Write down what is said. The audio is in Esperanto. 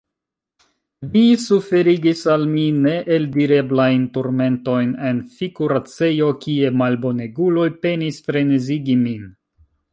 Vi suferigis al mi neeldireblajn turmentojn en fi-kuracejo, kie malboneguloj penis frenezigi min.